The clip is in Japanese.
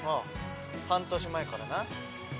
半年前からな。